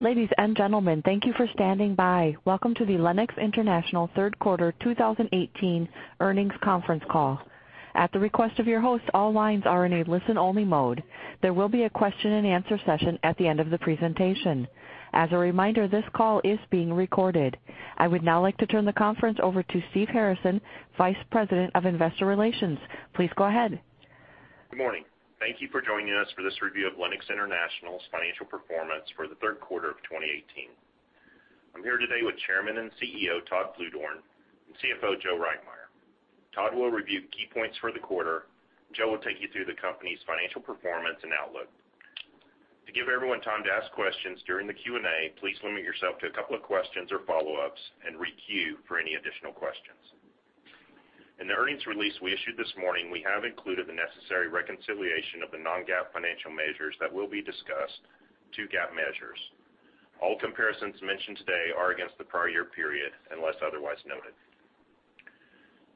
Ladies and gentlemen, thank you for standing by. Welcome to the Lennox International third quarter 2018 earnings conference call. At the request of your host, all lines are in a listen-only mode. There will be a question-and-answer session at the end of the presentation. As a reminder, this call is being recorded. I would now like to turn the conference over to Steve Harrison, Vice President of Investor Relations. Please go ahead. Good morning. Thank you for joining us for this review of Lennox International's financial performance for the third quarter of 2018. I am here today with Chairman and CEO, Todd Bluedorn, and CFO, Joe Reitmeier. Todd will review key points for the quarter. Joe will take you through the company's financial performance and outlook. To give everyone time to ask questions during the Q&A, please limit yourself to a couple of questions or follow-ups and re-queue for any additional questions. In the earnings release we issued this morning, we have included the necessary reconciliation of the non-GAAP financial measures that will be discussed to GAAP measures. All comparisons mentioned today are against the prior year period, unless otherwise noted.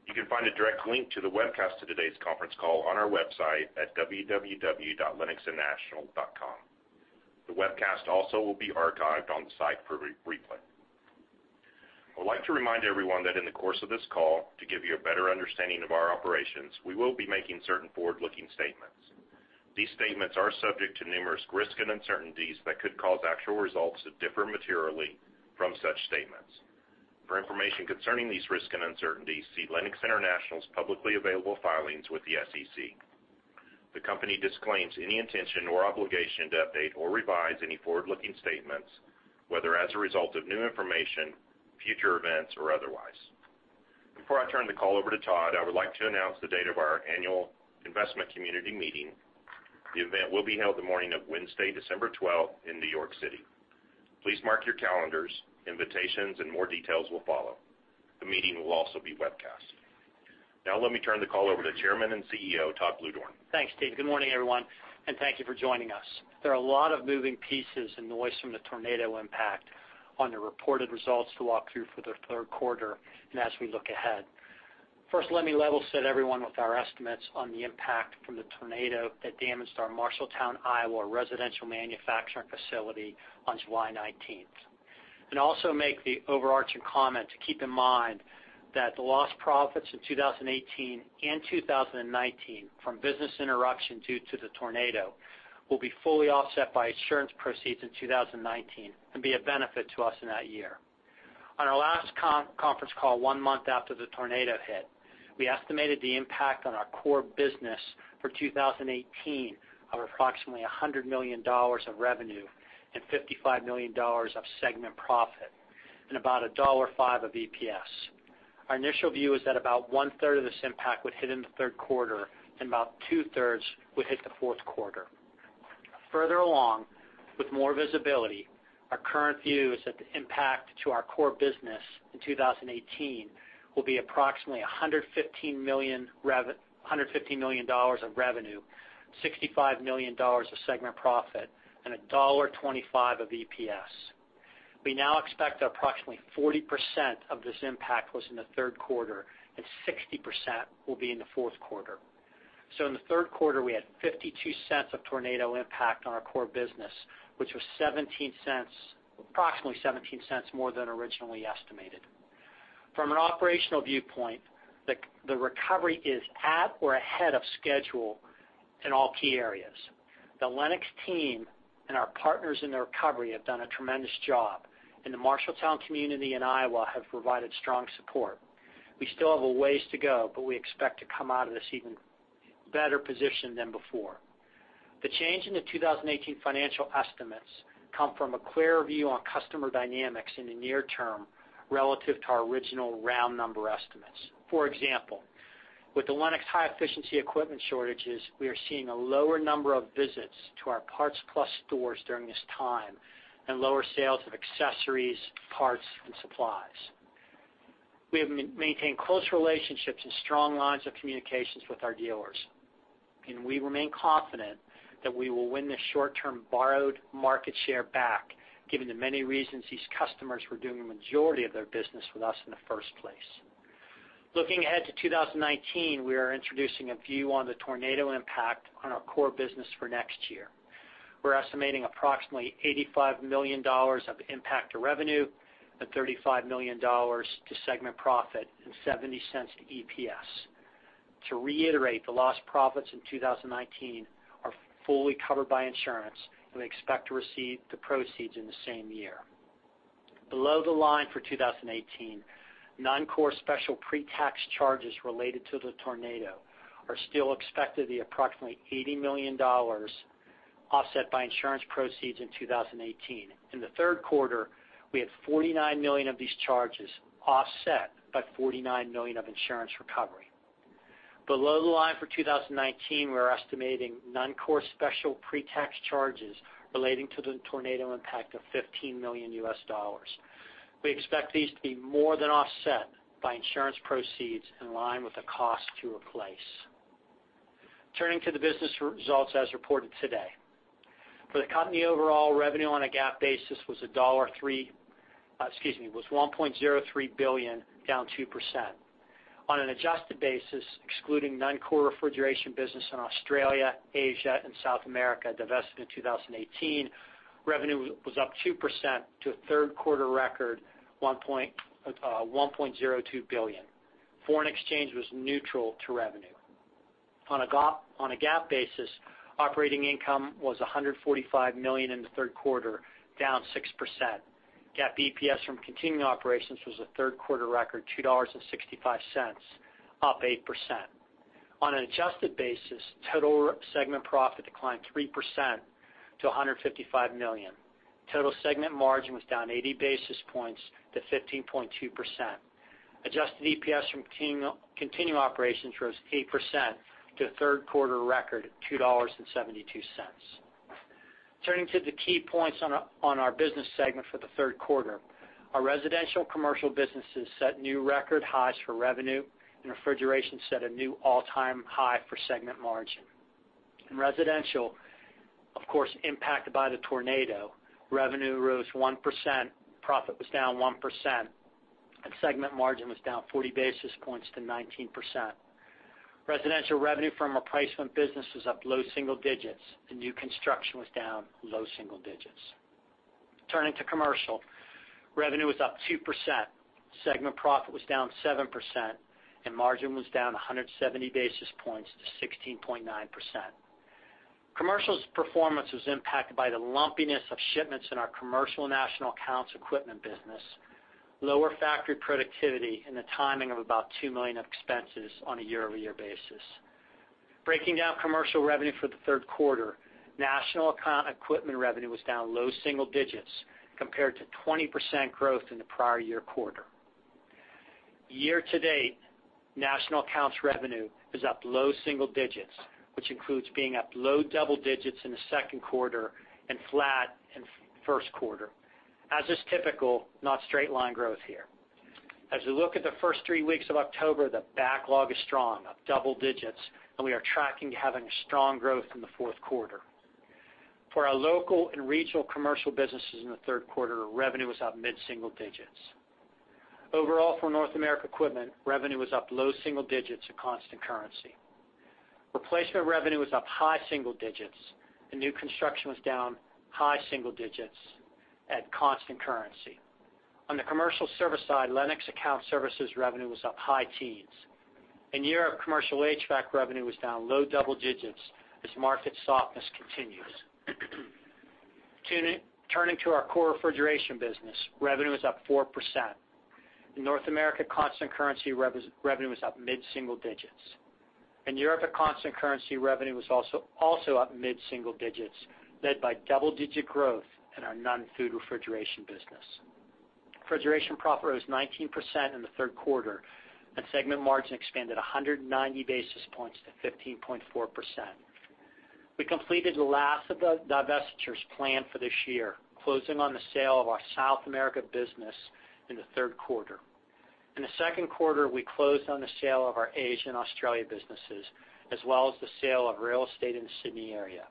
You can find a direct link to the webcast of today's conference call on our website at www.lennoxinternational.com. The webcast also will be archived on the site for replay. I would like to remind everyone that in the course of this call, to give you a better understanding of our operations, we will be making certain forward-looking statements. These statements are subject to numerous risks and uncertainties that could cause actual results to differ materially from such statements. For information concerning these risks and uncertainties, see Lennox International's publicly available filings with the SEC. The company disclaims any intention or obligation to update or revise any forward-looking statements, whether as a result of new information, future events, or otherwise. Before I turn the call over to Todd, I would like to announce the date of our annual investment community meeting. The event will be held the morning of Wednesday, December 12th in New York City. Please mark your calendars. Invitations and more details will follow. The meeting will also be webcast. Let me turn the call over to Chairman and CEO, Todd Bluedorn. Thanks, Steve. Good morning, everyone. Thank you for joining us. There are a lot of moving pieces and noise from the tornado impact on the reported results to walk through for the third quarter and as we look ahead. First, let me level set everyone with our estimates on the impact from the tornado that damaged our Marshalltown, Iowa residential manufacturing facility on July 19th. Also make the overarching comment to keep in mind that the lost profits in 2018 and 2019 from business interruption due to the tornado will be fully offset by insurance proceeds in 2019 and be a benefit to us in that year. On our last conference call, one month after the tornado hit, we estimated the impact on our core business for 2018 of approximately $100 million of revenue and $55 million of segment profit and about $1.05 of EPS. Our initial view is that about one-third of this impact would hit in the third quarter and about two-thirds would hit the fourth quarter. Further along, with more visibility, our current view is that the impact to our core business in 2018 will be approximately $115 million of revenue, $65 million of segment profit, and $1.25 of EPS. We now expect approximately 40% of this impact was in the third quarter and 60% will be in the fourth quarter. In the third quarter, we had $0.52 of tornado impact on our core business, which was approximately $0.17 more than originally estimated. From an operational viewpoint, the recovery is at or ahead of schedule in all key areas. The Lennox team and our partners in the recovery have done a tremendous job, and the Marshalltown community in Iowa have provided strong support. We still have a ways to go, but we expect to come out of this even better positioned than before. The change in the 2018 financial estimates come from a clearer view on customer dynamics in the near term relative to our original round number estimates. For example, with the Lennox high-efficiency equipment shortages, we are seeing a lower number of visits to our Parts Plus stores during this time and lower sales of accessories, parts, and supplies. We have maintained close relationships and strong lines of communications with our dealers, and we remain confident that we will win this short-term borrowed market share back, given the many reasons these customers were doing the majority of their business with us in the first place. Looking ahead to 2019, we are introducing a view on the tornado impact on our core business for next year. We're estimating approximately $85 million of impact to revenue and $35 million to segment profit and $0.70 to EPS. To reiterate, the lost profits in 2019 are fully covered by insurance, and we expect to receive the proceeds in the same year. Below the line for 2018, non-core special pre-tax charges related to the tornado are still expected to be approximately $80 million, offset by insurance proceeds in 2018. In the third quarter, we had $49 million of these charges offset by $49 million of insurance recovery. Below the line for 2019, we're estimating non-core special pre-tax charges relating to the tornado impact of $15 million. We expect these to be more than offset by insurance proceeds in line with the cost to replace. Turning to the business results as reported today. For the company overall, revenue on a GAAP basis was $1.03 billion, down 2%. On an adjusted basis, excluding non-core refrigeration business in Australia, Asia, and South America divested in 2018, revenue was up 2% to a third-quarter record, $1.02 billion. Foreign exchange was neutral to revenue. On a GAAP basis, operating income was $145 million in the third quarter, down 6%. GAAP EPS from continuing operations was a third-quarter record, $2.65, up 8%. On an adjusted basis, total segment profit declined 3% to $155 million. Total segment margin was down 80 basis points to 15.2%. Adjusted EPS from continuing operations rose 8% to a third-quarter record, $2.72. Turning to the key points on our business segment for the third quarter. Our residential commercial businesses set new record highs for revenue, and refrigeration set a new all-time high for segment margin. In residential, of course, impacted by the tornado, revenue rose 1%, profit was down 1%, and segment margin was down 40 basis points to 19%. Residential revenue from replacement business was up low single digits, and new construction was down low single digits. Turning to commercial. Revenue was up 2%, segment profit was down 7%, and margin was down 170 basis points to 16.9%. Commercial's performance was impacted by the lumpiness of shipments in our commercial national accounts equipment business, lower factory productivity, and the timing of about $2 million expenses on a year-over-year basis. Breaking down commercial revenue for the third quarter, national account equipment revenue was down low single digits compared to 20% growth in the prior year quarter. Year-to-date, national accounts revenue is up low single digits, which includes being up low double digits in the second quarter and flat in first quarter. As is typical, not straight-line growth here. As we look at the first three weeks of October, the backlog is strong, up double digits, and we are tracking having a strong growth in the fourth quarter. For our local and regional commercial businesses in the third quarter, revenue was up mid-single digits. Overall, for North America equipment, revenue was up low single digits at constant currency. Replacement revenue was up high single digits, and new construction was down high single digits at constant currency. On the commercial service side, Lennox account services revenue was up high teens. In Europe, commercial HVAC revenue was down low double digits as market softness continues. Turning to our core refrigeration business, revenue was up 4%. In North America, constant currency revenue was up mid-single digits. In Europe, constant currency revenue was also up mid-single digits, led by double-digit growth in our non-food refrigeration business. Refrigeration profit rose 19% in the third quarter, and segment margin expanded 190 basis points to 15.4%. We completed the last of the divestitures planned for this year, closing on the sale of our South America business in the third quarter. In the second quarter, we closed on the sale of our Asia-Australia businesses, as well as the sale of real estate in the Sydney area.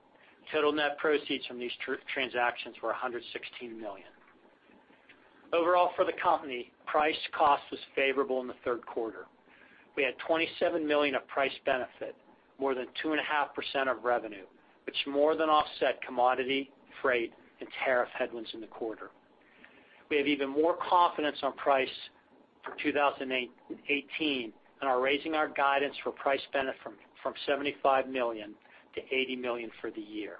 Total net proceeds from these transactions were $116 million. Overall for the company, price cost was favorable in the third quarter. We had $27 million of price benefit, more than 2.5% of revenue, which more than offset commodity, freight, and tariff headwinds in the quarter. We have even more confidence on price for 2018 and are raising our guidance for price benefit from $75 million to $80 million for the year.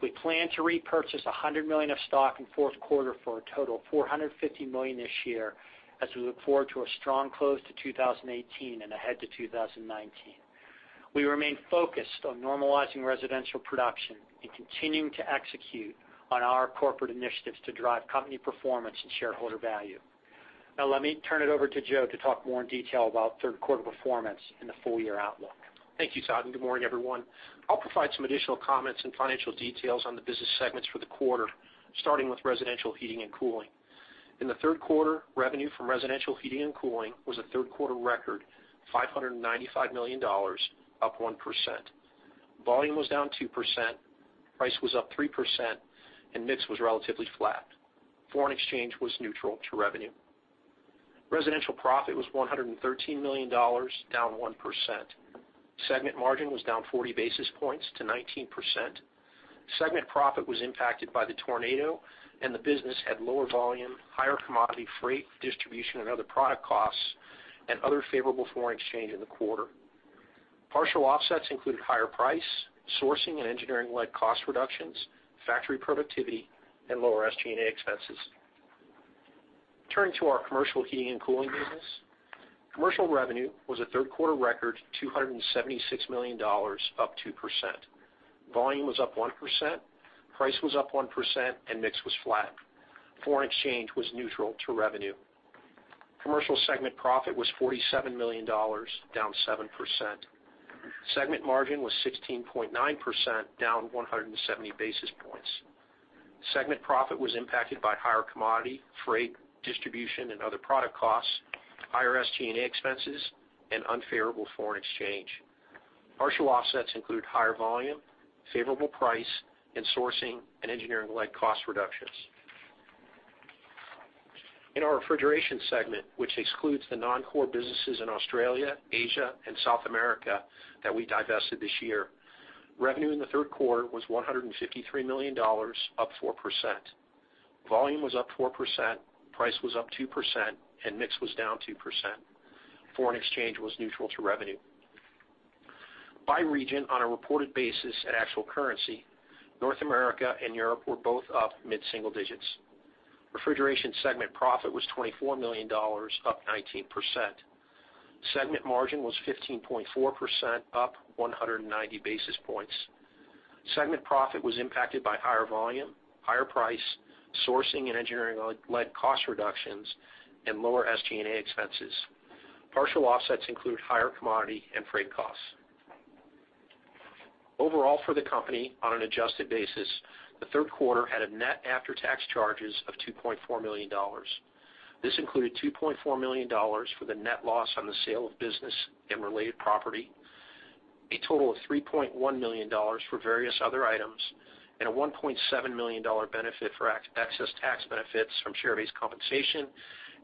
We plan to repurchase $100 million of stock in fourth quarter for a total of $450 million this year as we look forward to a strong close to 2018 and ahead to 2019. We remain focused on normalizing residential production and continuing to execute on our corporate initiatives to drive company performance and shareholder value. Now let me turn it over to Joe to talk more in detail about third quarter performance and the full year outlook. Thank you, Todd, and good morning, everyone. I'll provide some additional comments and financial details on the business segments for the quarter, starting with residential heating and cooling. In the third quarter, revenue from residential heating and cooling was a third-quarter record, $595 million, up 1%. Volume was down 2%, price was up 3%, and mix was relatively flat. Foreign exchange was neutral to revenue. Residential profit was $113 million, down 1%. Segment margin was down 40 basis points to 19%. Segment profit was impacted by the tornado, and the business had lower volume, higher commodity freight, distribution, and other product costs, and other favorable foreign exchange in the quarter. Partial offsets included higher price, sourcing and engineering-led cost reductions, factory productivity, and lower SG&A expenses. Turning to our commercial heating and cooling business. Commercial revenue was a third-quarter record, $276 million, up 2%. Volume was up 1%, price was up 1%, and mix was flat. Foreign exchange was neutral to revenue. Commercial segment profit was $47 million, down 7%. Segment margin was 16.9%, down 170 basis points. Segment profit was impacted by higher commodity, freight, distribution, and other product costs, higher SG&A expenses, and unfavorable foreign exchange. Partial offsets include higher volume, favorable price, and sourcing and engineering-led cost reductions. In our refrigeration segment, which excludes the non-core businesses in Australia, Asia, and South America that we divested this year. Revenue in the third quarter was $153 million, up 4%. Volume was up 4%, price was up 2%, and mix was down 2%. Foreign exchange was neutral to revenue. By region, on a reported basis at actual currency, North America and Europe were both up mid-single digits. Refrigeration segment profit was $24 million, up 19%. Segment margin was 15.4%, up 190 basis points. Segment profit was impacted by higher volume, higher price, sourcing and engineering-led cost reductions, and lower SG&A expenses. Partial offsets include higher commodity and freight costs. Overall, for the company, on an adjusted basis, the third quarter had a net after-tax charges of $2.4 million. This included $2.4 million for the net loss on the sale of business and related property, a total of $3.1 million for various other items, and a $1.7 million benefit for excess tax benefits from share-based compensation,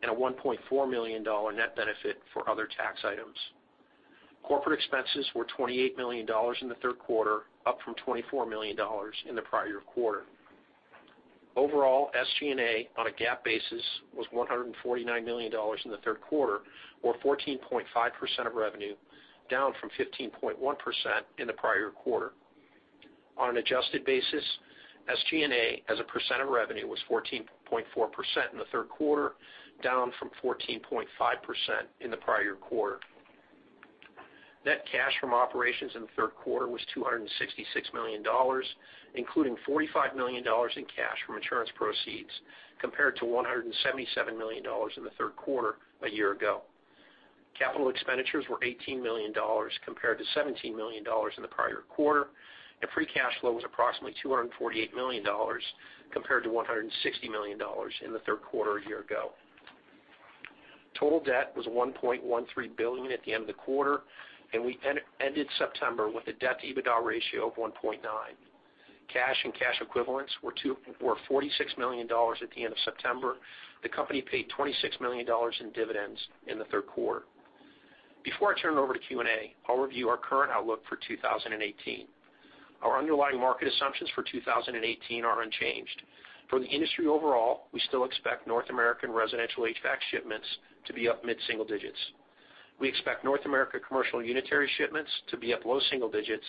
and a $1.4 million net benefit for other tax items. Corporate expenses were $28 million in the third quarter, up from $24 million in the prior quarter. Overall, SG&A on a GAAP basis was $149 million in the third quarter or 14.5% of revenue, down from 15.1% in the prior quarter. On an adjusted basis, SG&A as a percent of revenue was 14.4% in the third quarter, down from 14.5% in the prior quarter. Net cash from operations in the third quarter was $266 million, including $45 million in cash from insurance proceeds, compared to $177 million in the third quarter a year ago. Capital expenditures were $18 million compared to $17 million in the prior quarter, and free cash flow was approximately $248 million compared to $160 million in the third quarter a year ago. Total debt was $1.13 billion at the end of the quarter, and we ended September with a debt-EBITDA ratio of 1.9. Cash and cash equivalents were $46 million at the end of September. The company paid $26 million in dividends in the third quarter. Before I turn it over to Q&A, I'll review our current outlook for 2018. Our underlying market assumptions for 2018 are unchanged. For the industry overall, we still expect North American residential HVAC shipments to be up mid-single digits. We expect North America commercial unitary shipments to be up low single digits,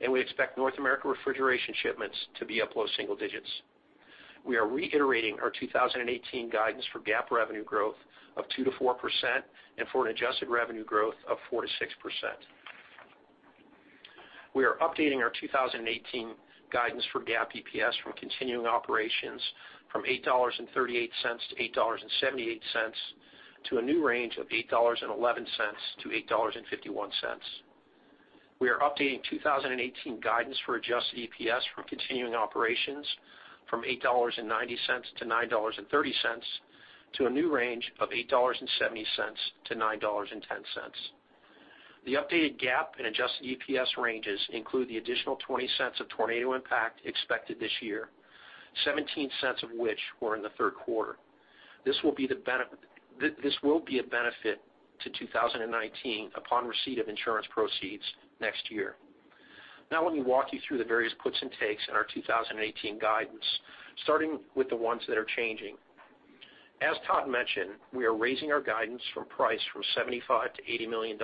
and we expect North America refrigeration shipments to be up low single digits. We are reiterating our 2018 guidance for GAAP revenue growth of 2%-4% and for an adjusted revenue growth of 4%-6%. We are updating our 2018 guidance for GAAP EPS from continuing operations from $8.38-$8.78 to a new range of $8.11-$8.51. We are updating 2018 guidance for adjusted EPS from continuing operations from $8.90-$9.30 to a new range of $8.70-$9.10. The updated GAAP and adjusted EPS ranges include the additional $0.20 of tornado impact expected this year, $0.17 of which were in the third quarter. This will be a benefit to 2019 upon receipt of insurance proceeds next year. Let me walk you through the various puts and takes in our 2018 guidance, starting with the ones that are changing. As Todd mentioned, we are raising our guidance from price from $75 million-$80 million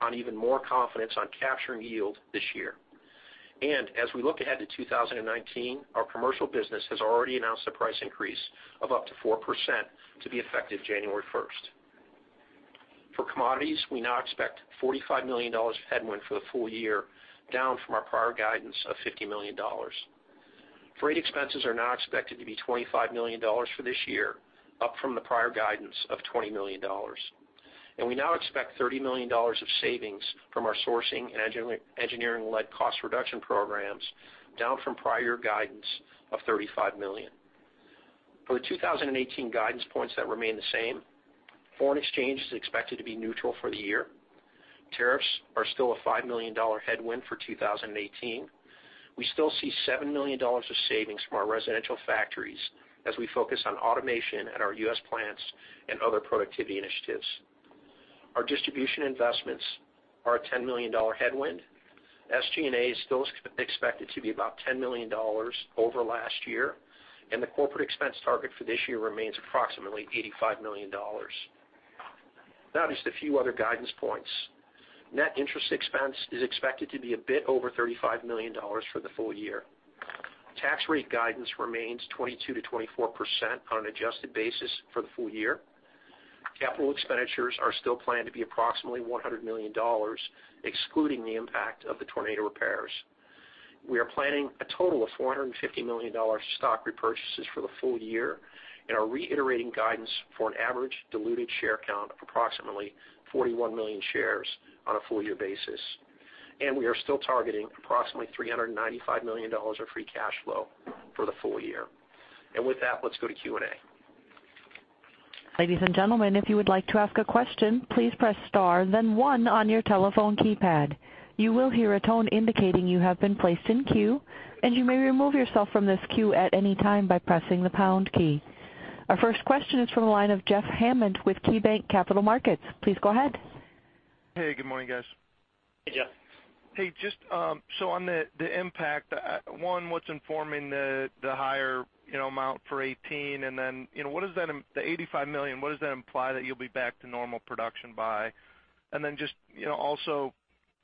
on even more confidence on capturing yield this year. As we look ahead to 2019, our commercial business has already announced a price increase of up to 4% to be effective January 1st. For commodities, we now expect $45 million of headwind for the full year, down from our prior guidance of $50 million. Freight expenses are now expected to be $25 million for this year, up from the prior guidance of $20 million. We now expect $30 million of savings from our sourcing and engineering-led cost reduction programs, down from prior guidance of $35 million. For the 2018 guidance points that remain the same, foreign exchange is expected to be neutral for the year. Tariffs are still a $5 million headwind for 2018. We still see $7 million of savings from our residential factories as we focus on automation at our U.S. plants and other productivity initiatives. Our distribution investments are a $10 million headwind. SG&A is still expected to be about $10 million over last year, and the corporate expense target for this year remains approximately $85 million. Just a few other guidance points. Net interest expense is expected to be a bit over $35 million for the full year. Tax rate guidance remains 22%-24% on an adjusted basis for the full year. Capital expenditures are still planned to be approximately $100 million, excluding the impact of the tornado repairs. We are planning a total of $450 million stock repurchases for the full year and are reiterating guidance for an average diluted share count of approximately 41 million shares on a full-year basis. We are still targeting approximately $395 million of free cash flow for the full year. With that, let's go to Q&A. Ladies and gentlemen, if you would like to ask a question, please press star then one on your telephone keypad. You will hear a tone indicating you have been placed in queue, and you may remove yourself from this queue at any time by pressing the pound key. Our first question is from the line of Jeff Hammond with KeyBanc Capital Markets. Please go ahead. Hey, good morning, guys. Hey, Jeff. Hey, on the impact, one, what's informing the higher amount for 2018? The $85 million, what does that imply that you'll be back to normal production by? Just also,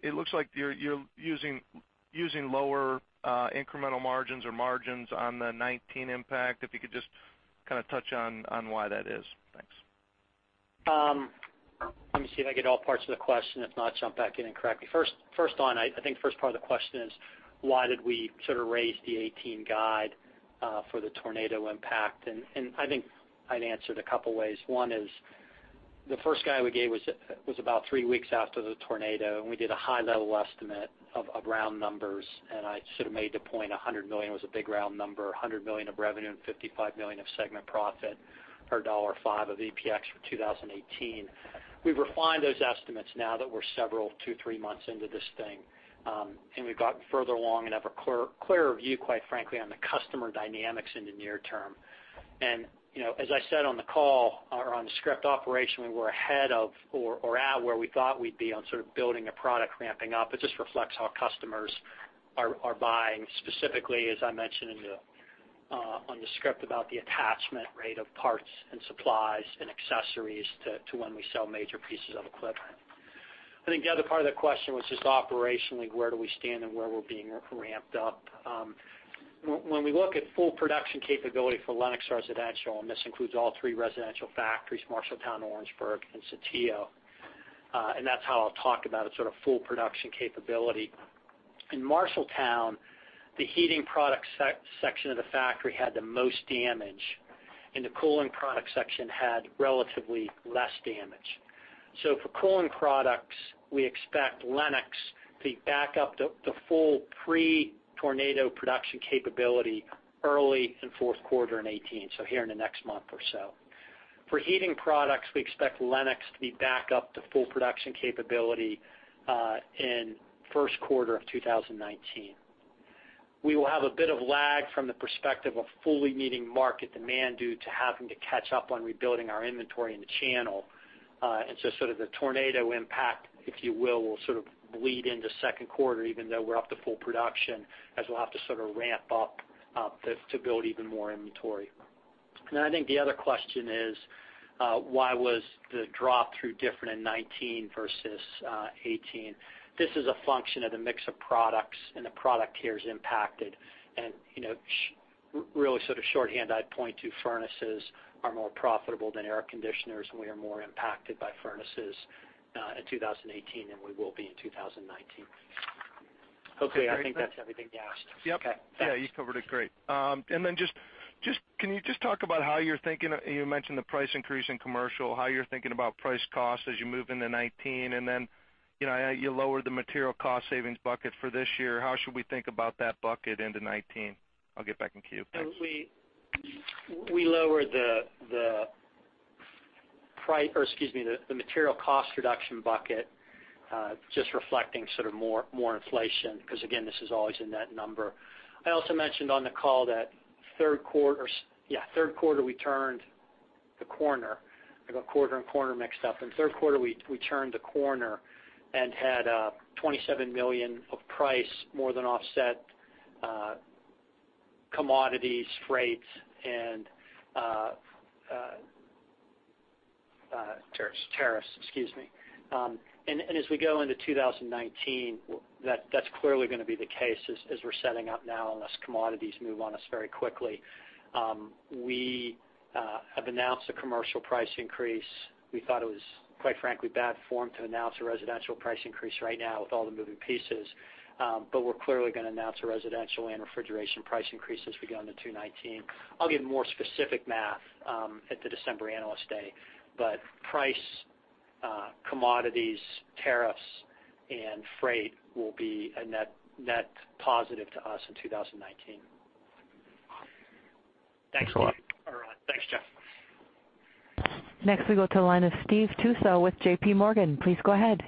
it looks like you're using lower incremental margins or margins on the 2019 impact. If you could just kind of touch on why that is. Thanks. Let me see if I get all parts of the question. If not, jump back in and correct me. First on, I think first part of the question is why did we sort of raise the 2018 guide for the tornado impact? I think I'd answer it a couple ways. One is the first guide we gave was about three weeks after the tornado, and we did a high-level estimate of round numbers, and I sort of made the point $100 million was a big round number, $100 million of revenue and $55 million of segment profit or $1.05 of EPS for 2018. We refined those estimates now that we're several, two, three months into this thing. We've gotten further along and have a clearer view, quite frankly, on the customer dynamics in the near term. As I said on the call or on the script operation, we were ahead of or at where we thought we'd be on sort of building a product ramping up. It just reflects how customers are buying, specifically, as I mentioned on the script about the attachment rate of parts and supplies and accessories to when we sell major pieces of equipment. I think the other part of that question was just operationally, where do we stand and where we're being ramped up. When we look at full production capability for Lennox Residential, and this includes all three residential factories, Marshalltown, Orangeburg, and Saltillo, and that's how I'll talk about it, sort of full production capability. In Marshalltown, the heating product section of the factory had the most damage, and the cooling product section had relatively less damage. For cooling products, we expect Lennox to be back up to full pre-tornado production capability early in fourth quarter in 2018, so here in the next month or so. For heating products, we expect Lennox to be back up to full production capability in first quarter of 2019. We will have a bit of lag from the perspective of fully meeting market demand due to having to catch up on rebuilding our inventory in the channel. Sort of the tornado impact, if you will sort of bleed into second quarter, even though we're up to full production, as we'll have to sort of ramp up to build even more inventory. I think the other question is, why was the drop-through different in 2019 versus 2018? This is a function of the mix of products and the product tiers impacted. Really sort of shorthand, I'd point to furnaces are more profitable than air conditioners, and we are more impacted by furnaces in 2018 than we will be in 2019. Hopefully, I think that's everything you asked. Yep. Okay. Yeah, you covered it great. Can you just talk about You mentioned the price increase in commercial, how you're thinking about price cost as you move into 2019, and then you lowered the material cost savings bucket for this year. How should we think about that bucket into 2019? I'll get back in queue. Thanks. We lowered the material cost reduction bucket just reflecting sort of more inflation, because again, this is always a net number. I also mentioned on the call that third quarter we turned the corner. I got quarter and corner mixed up. In third quarter, we turned the corner and had $27 million of price more than offset commodities, freight. Tariffs. Tariffs, excuse me. As we go into 2019, that's clearly going to be the case as we're setting up now unless commodities move on us very quickly. We have announced a commercial price increase. We thought it was, quite frankly, bad form to announce a residential price increase right now with all the moving pieces. We're clearly going to announce a residential and refrigeration price increase as we go into 2019. I'll give more specific math at the December Analyst Day. Price, commodities, tariffs, and freight will be a net positive to us in 2019. Thanks a lot. Thanks, Jeff. Next we go to the line of Steve Tusa with J.P. Morgan. Please go ahead.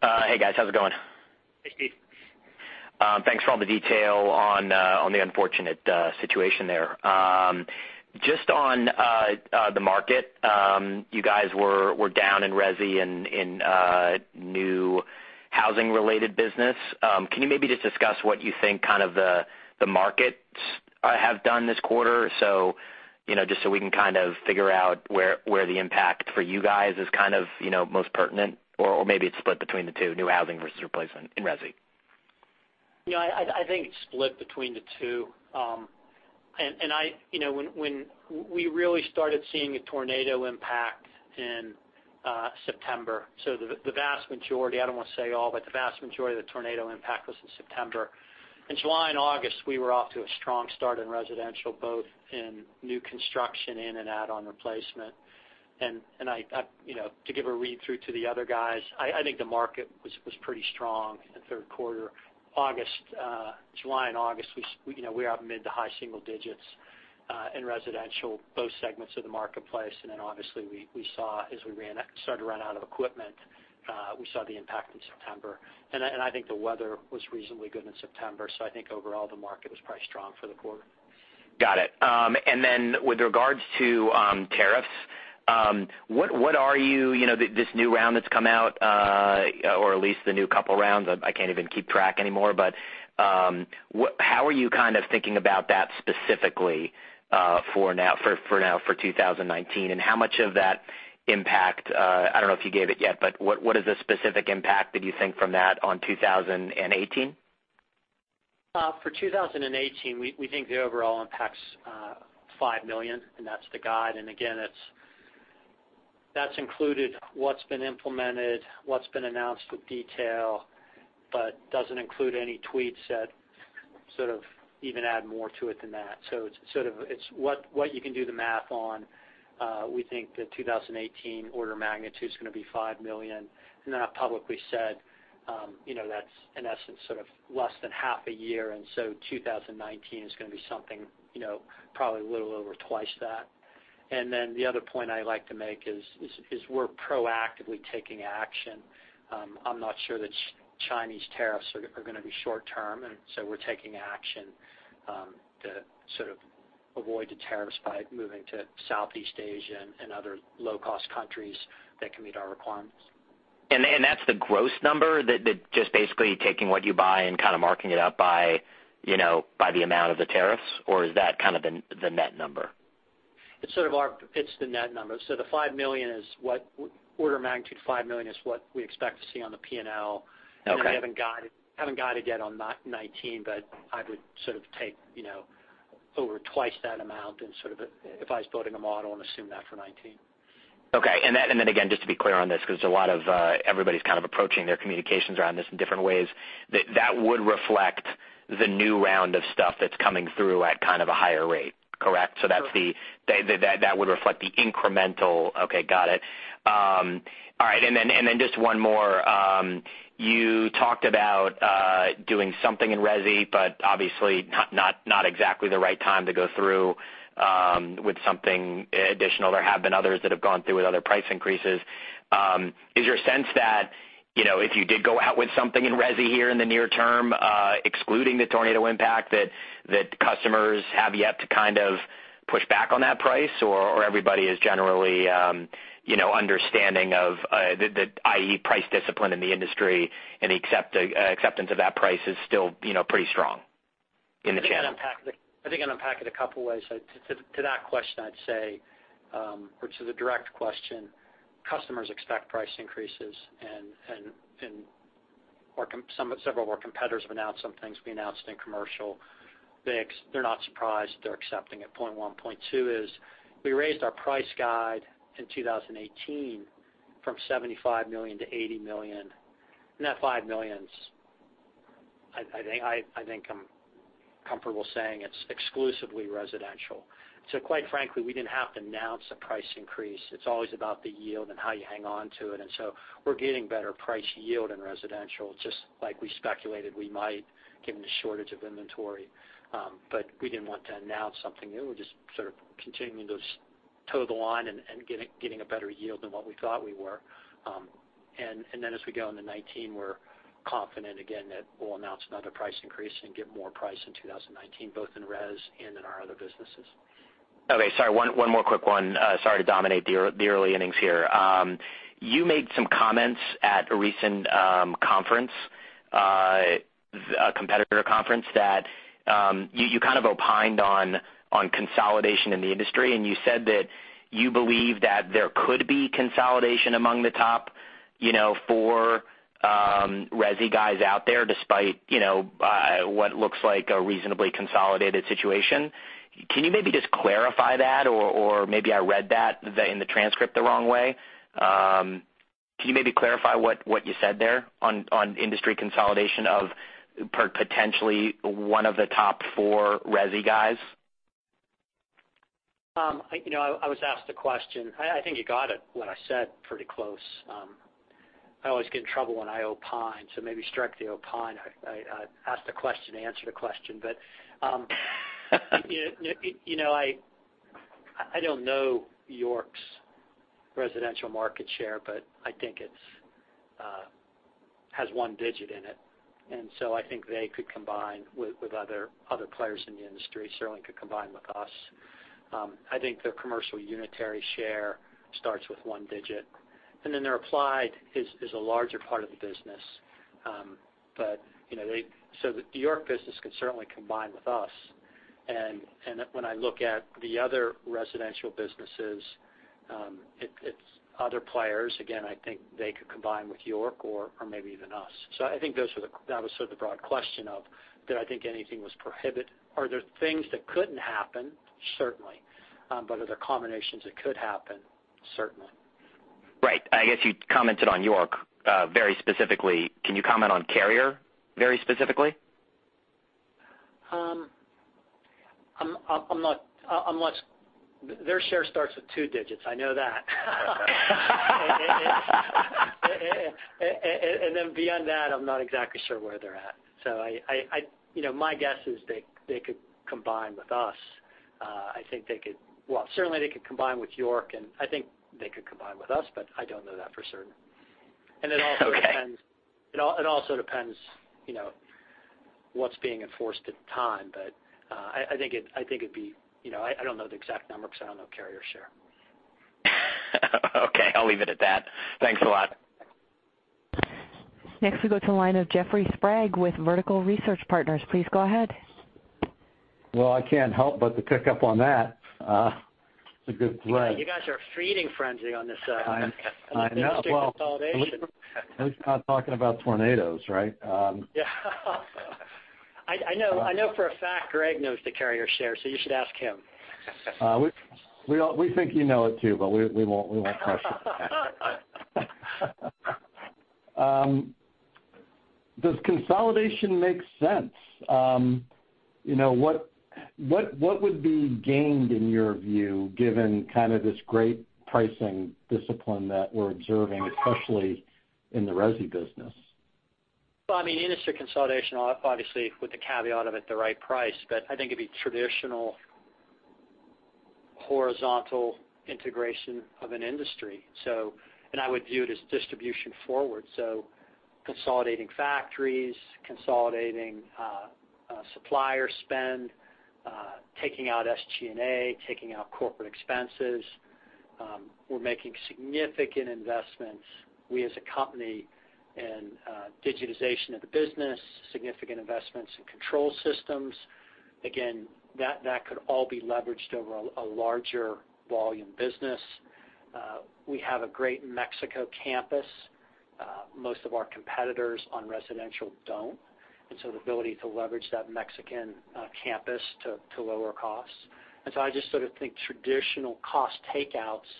Hey, guys. How's it going? Hey, Steve. Thanks for all the detail on the unfortunate situation there. Just on the market, you guys were down in resi in new housing-related business. Can you maybe just discuss what you think kind of the markets have done this quarter? Just so we can kind of figure out where the impact for you guys is kind of most pertinent, or maybe it's split between the two, new housing versus replacement in resi. I think it's split between the two. We really started seeing a tornado impact in September. The vast majority, I don't want to say all, but the vast majority of the tornado impact was in September. In July and August, we were off to a strong start in residential, both in new construction in and add-on replacement. To give a read through to the other guys, I think the market was pretty strong in the third quarter. July and August, we are up mid to high single digits in residential, both segments of the marketplace. Then obviously we saw as we started to run out of equipment, we saw the impact in September. I think the weather was reasonably good in September, so I think overall, the market was probably strong for the quarter. Got it. Then with regards to tariffs, this new round that's come out, or at least the new couple rounds, I can't even keep track anymore, but how are you thinking about that specifically for now, for 2019, and how much of that impact, I don't know if you gave it yet, but what is the specific impact that you think from that on 2018? For 2018, we think the overall impact is $5 million. That's the guide. Again, that's included what's been implemented, what's been announced with detail, but doesn't include any tweaks that sort of even add more to it than that. It's what you can do the math on. We think the 2018 order of magnitude is going to be $5 million. I publicly said that's in essence sort of less than half a year, and so 2019 is going to be something probably a little over twice that. The other point I like to make is we're proactively taking action. I'm not sure that Chinese tariffs are going to be short-term, and so we're taking action to sort of avoid the tariffs by moving to Southeast Asia and other low-cost countries that can meet our requirements. That's the gross number that just basically taking what you buy and kind of marking it up by the amount of the tariffs, or is that kind of the net number? It's the net number. The order of magnitude $5 million is what we expect to see on the P&L. Okay. We haven't guided yet on 2019, but I would sort of take over twice that amount if I was building a model and assume that for 2019. Okay. Again, just to be clear on this, because everybody's kind of approaching their communications around this in different ways, that would reflect the new round of stuff that's coming through at kind of a higher rate, correct? Correct. That would reflect the incremental. Okay. Got it. Just one more. You talked about doing something in resi, but obviously not exactly the right time to go through with something additional. There have been others that have gone through with other price increases. Is your sense that if you did go out with something in resi here in the near term, excluding the tornado impact, that customers have yet to kind of push back on that price, or everybody is generally understanding of the, i.e., price discipline in the industry and the acceptance of that price is still pretty strong in the channel? I think I'd unpack it a couple ways. To that question I'd say, which is a direct question, customers expect price increases, several of our competitors have announced some things. We announced in commercial big. They're not surprised. They're accepting it, point one. Point two is we raised our price guide in 2018 from $75 million to $80 million, that $5 million, I think I'm comfortable saying it's exclusively residential. Quite frankly, we didn't have to announce a price increase. It's always about the yield and how you hang on to it. We're getting better price yield in residential, just like we speculated we might, given the shortage of inventory. We didn't want to announce something new. We're just sort of continuing to toe the line and getting a better yield than what we thought we were. As we go into 2019, we're confident again that we'll announce another price increase and get more price in 2019, both in res and in our other businesses. Okay, sorry, one more quick one. Sorry to dominate the early innings here. You made some comments at a recent competitor conference that you kind of opined on consolidation in the industry, and you said that you believe that there could be consolidation among the top four resi guys out there, despite what looks like a reasonably consolidated situation. Can you maybe just clarify that? Or maybe I read that in the transcript the wrong way. Can you maybe clarify what you said there on industry consolidation of potentially one of the top four resi guys? I was asked a question. I think you got it, what I said, pretty close. I always get in trouble when I opine, so maybe strike the opine. I asked a question, I answered a question. I don't know York's residential market share, but I think it has one digit in it. I think they could combine with other players in the industry. Certainly could combine with us. I think their commercial unitary share starts with one digit. Their applied is a larger part of the business. The York business could certainly combine with us. When I look at the other residential businesses, it's other players. Again, I think they could combine with York or maybe even us. I think that was sort of the broad question of did I think anything was prohibitive? Are there things that couldn't happen? Certainly. Are there combinations that could happen? Certainly. Right. I guess you commented on York very specifically. Can you comment on Carrier very specifically? Their share starts with two digits. I know that. Beyond that, I'm not exactly sure where they're at. My guess is they could combine with us. Well, certainly they could combine with York, I think they could combine with us, but I don't know that for certain. Okay. It also depends what's being enforced at the time. I don't know the exact number because I don't know Carrier share. Okay, I'll leave it at that. Thanks a lot. Next we go to the line of Jeffrey Sprague with Vertical Research Partners. Please go ahead. Well, I can't help but to pick up on that. It's a good thread. You guys are feeding frenzy on this side. I know. On this business consolidation at least we're not talking about tornadoes, right? Yeah. I know for a fact Greg knows the Carrier share, you should ask him. We think you know it too, we won't press you. Does consolidation make sense? What would be gained in your view given this great pricing discipline that we're observing, especially in the resi business? Well, industry consolidation, obviously with the caveat of at the right price, but I think it'd be traditional horizontal integration of an industry. I would view it as distribution forward, so consolidating factories, consolidating supplier spend, taking out SG&A, taking out corporate expenses. We're making significant investments, we as a company, in digitization of the business, significant investments in control systems. Again, that could all be leveraged over a larger volume business. We have a great Mexico campus. Most of our competitors on residential don't, and so the ability to leverage that Mexican campus to lower costs. I just think traditional cost takeouts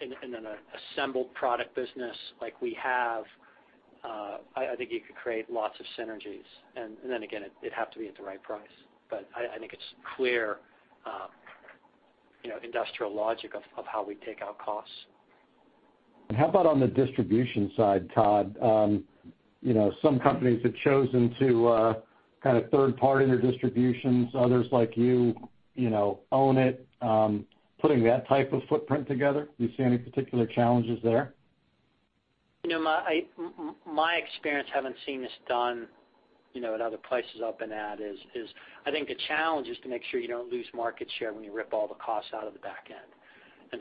in an assembled product business like we have, I think you could create lots of synergies. Then again, it'd have to be at the right price. I think it's clear industrial logic of how we take out costs. How about on the distribution side, Todd? Some companies have chosen to third-party their distributions. Others, like you, own it. Putting that type of footprint together, do you see any particular challenges there? My experience having seen this done at other places I've been at is, I think the challenge is to make sure you don't lose market share when you rip all the costs out of the back end.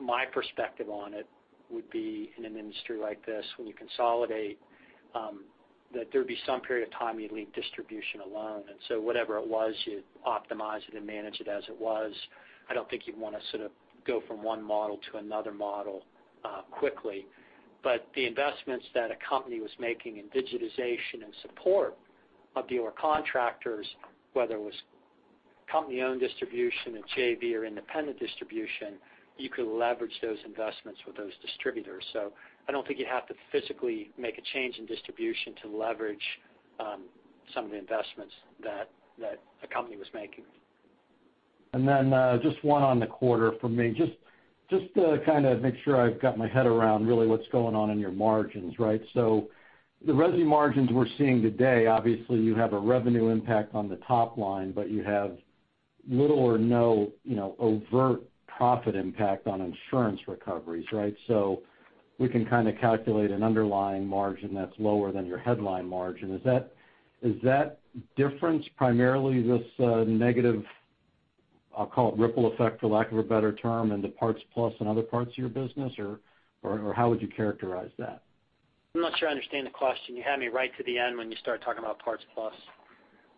My perspective on it would be in an industry like this, when you consolidate, that there'd be some period of time you'd leave distribution alone. Whatever it was, you'd optimize it and manage it as it was. I don't think you'd want to go from one model to another model quickly. The investments that a company was making in digitization and support of your contractors, whether it was company-owned distribution, a JV, or independent distribution, you could leverage those investments with those distributors. I don't think you'd have to physically make a change in distribution to leverage some of the investments that a company was making. Just one on the quarter from me, just to make sure I've got my head around really what's going on in your margins, right? The resi margins we're seeing today, obviously you have a revenue impact on the top line, but you have little or no overt profit impact on insurance recoveries, right? We can calculate an underlying margin that's lower than your headline margin. Is that difference primarily this negative, I'll call it ripple effect, for lack of a better term, in the Parts Plus and other parts of your business, or how would you characterize that? I'm not sure I understand the question. You had me right to the end when you started talking about Parts Plus.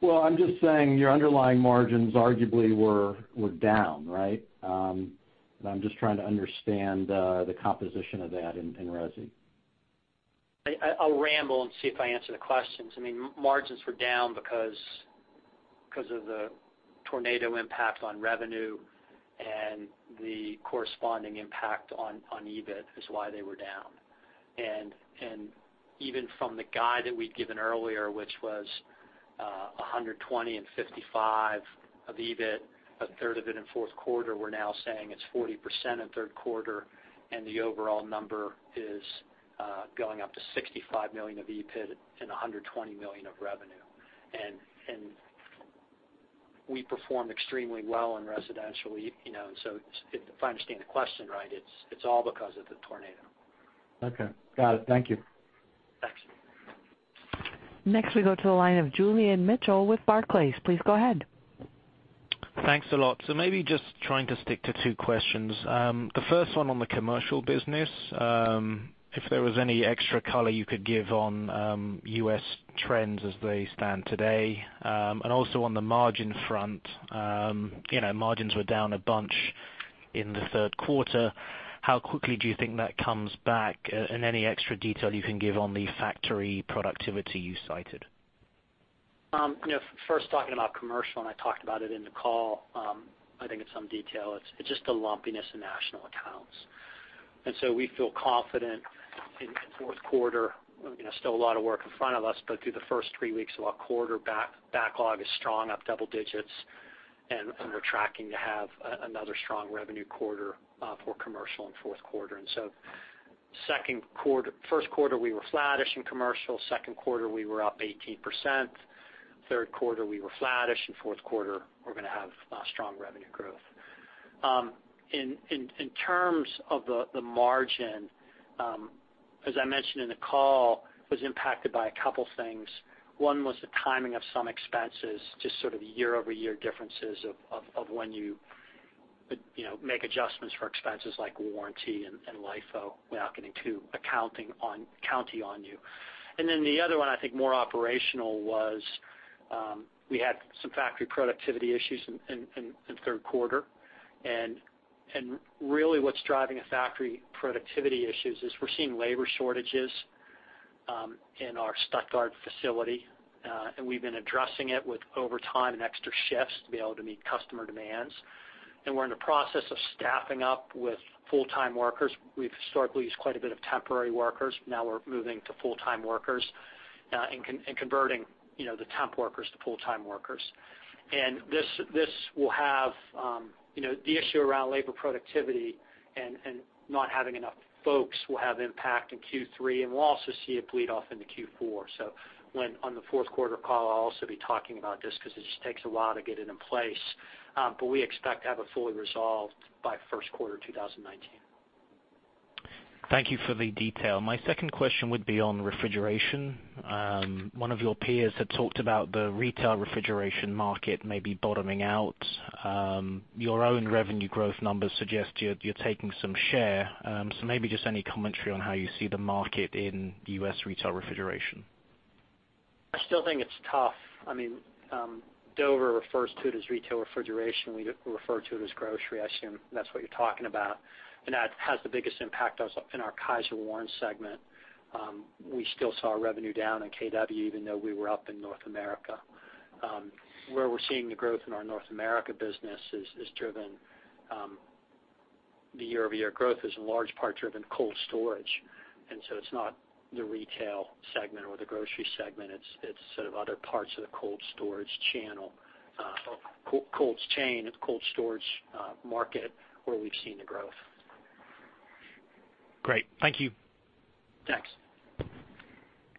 Well, I'm just saying your underlying margins arguably were down, right? I'm just trying to understand the composition of that in resi. I'll ramble and see if I answer the questions. Margins were down because of the tornado impact on revenue and the corresponding impact on EBIT is why they were down. Even from the guide that we'd given earlier, which was $120 million and $55 million of EBIT, a third of it in fourth quarter, we're now saying it's 40% in third quarter and the overall number is going up to $65 million of EBIT and $120 million of revenue. We performed extremely well in residential. If I understand the question right, it's all because of the tornado. Okay. Got it. Thank you. Thanks. Next we go to the line of Julian Mitchell with Barclays. Please go ahead. Thanks a lot. Maybe just trying to stick to two questions. The first one on the commercial business, if there was any extra color you could give on U.S. trends as they stand today. Also on the margin front, margins were down a bunch in the third quarter. How quickly do you think that comes back? Any extra detail you can give on the factory productivity you cited? First talking about commercial, I talked about it in the call I think in some detail. It's just the lumpiness in national accounts. We feel confident in fourth quarter. Still a lot of work in front of us, but through the first three weeks of our quarter, backlog is strong, up double digits, we're tracking to have another strong revenue quarter for commercial in fourth quarter. First quarter, we were flattish in commercial. Second quarter, we were up 18%. Third quarter, we were flattish. In fourth quarter, we're going to have strong revenue growth. In terms of the margin, as I mentioned in the call, was impacted by a couple things. One was the timing of some expenses, just sort of year-over-year differences of when you make adjustments for expenses like warranty and LIFO without getting too accounting on you. The other one, I think more operational, was we had some factory productivity issues in third quarter. Really what's driving the factory productivity issues is we're seeing labor shortages in our Stuttgart facility. We've been addressing it with overtime and extra shifts to be able to meet customer demands. We're in the process of staffing up with full-time workers. We've historically used quite a bit of temporary workers. Now we're moving to full-time workers and converting the temp workers to full-time workers. The issue around labor productivity and not having enough folks will have impact in Q3, we'll also see it bleed off into Q4. On the fourth quarter call, I'll also be talking about this because it just takes a while to get it in place. We expect to have it fully resolved by first quarter 2019. Thank you for the detail. My second question would be on refrigeration. One of your peers had talked about the retail refrigeration market maybe bottoming out. Your own revenue growth numbers suggest you're taking some share. Maybe just any commentary on how you see the market in U.S. retail refrigeration. I still think it's tough. Dover refers to it as retail refrigeration. We refer to it as grocery. I assume that's what you're talking about. That has the biggest impact in our Kysor/Warren segment. We still saw revenue down in KW, even though we were up in North America. Where we're seeing the growth in our North America business is driven, the year-over-year growth is in large part driven cold storage. It's not the retail segment or the grocery segment. It's sort of other parts of the cold storage channel, cold chain, cold storage market where we've seen the growth. Great. Thank you. Thanks.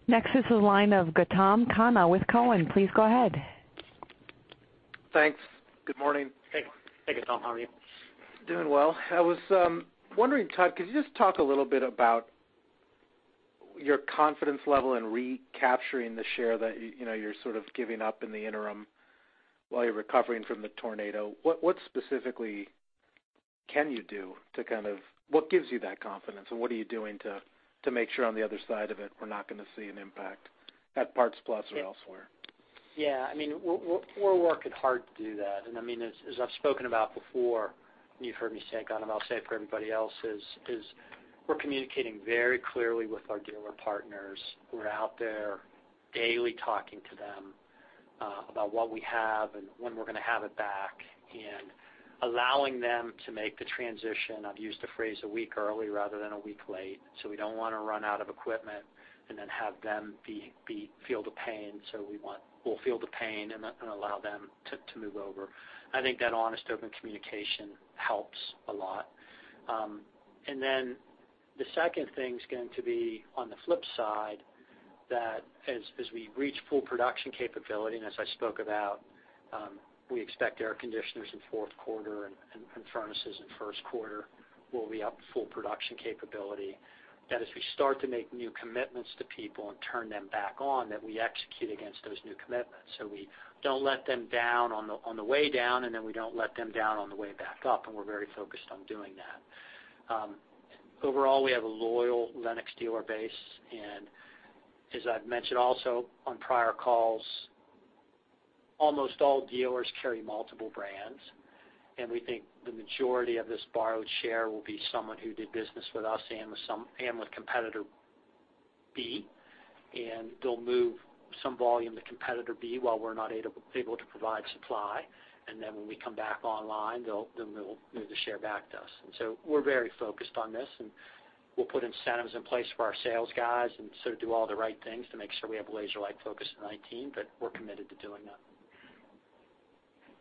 Next is the line of Gautam Khanna with Cowen. Please go ahead. Thanks. Good morning. Hey. Hey, Gautam. How are you? Doing well. I was wondering, Todd, could you just talk a little bit about your confidence level in recapturing the share that you're sort of giving up in the interim while you're recovering from the tornado? What specifically can you do to what gives you that confidence, and what are you doing to make sure on the other side of it, we're not going to see an impact at Parts Plus or elsewhere? Yeah. We're working hard to do that. As I've spoken about before, you've heard me say it, Gautam, I'll say it for everybody else, is we're communicating very clearly with our dealer partners. We're out there daily talking to them about what we have and when we're going to have it back and allowing them to make the transition. I've used the phrase a week early rather than a week late. We don't want to run out of equipment and then have them feel the pain. We'll feel the pain and allow them to move over. I think that honest, open communication helps a lot. Then the second thing's going to be on the flip side, that as we reach full production capability, and as I spoke about we expect air conditioners in fourth quarter and furnaces in first quarter, we'll be up full production capability. That as we start to make new commitments to people and turn them back on, that we execute against those new commitments. We don't let them down on the way down, and then we don't let them down on the way back up, and we're very focused on doing that. Overall, we have a loyal Lennox dealer base, and as I've mentioned also on prior calls, almost all dealers carry multiple brands, and we think the majority of this borrowed share will be someone who did business with us and with competitor B, and they'll move some volume to competitor B while we're not able to provide supply. Then when we come back online, they'll move the share back to us. We're very focused on this, and we'll put incentives in place for our sales guys and sort of do all the right things to make sure we have a laser-like focus in 2019, but we're committed to doing that.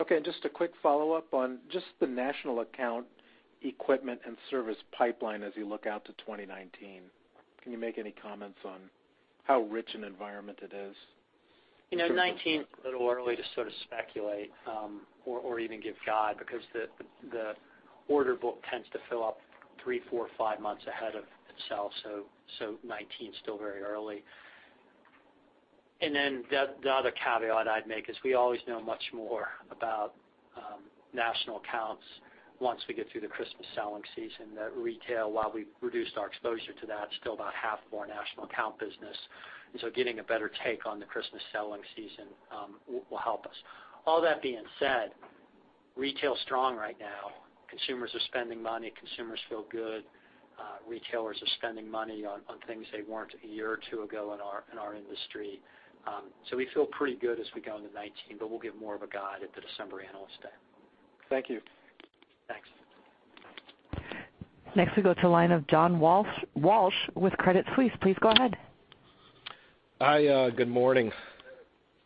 Okay. Just a quick follow-up on just the national account equipment and service pipeline as you look out to 2019. Can you make any comments on how rich an environment it is? 2019, it's a little early to sort of speculate or even give guide, because the order book tends to fill up three, four, five months ahead of itself, so 2019's still very early. The other caveat I'd make is we always know much more about national accounts once we get through the Christmas selling season. That retail, while we've reduced our exposure to that, it's still about half of our national account business. Getting a better take on the Christmas selling season will help us. All that being said, retail's strong right now. Consumers are spending money. Consumers feel good. Retailers are spending money on things they weren't a year or two ago in our industry. We feel pretty good as we go into 2019, but we'll give more of a guide at the December Analyst Day. Thank you. Thanks. We go to the line of John Walsh with Credit Suisse. Please go ahead. Hi, good morning.